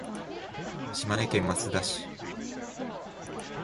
島根県益田市